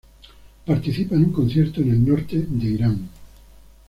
Participa en un concierto en el norte de Irán.